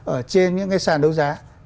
ở trên những cái sàn đấu giá